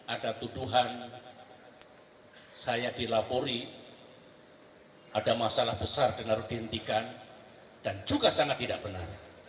ada tuduhan saya dilapori ada masalah besar dan harus dihentikan dan juga sangat tidak benar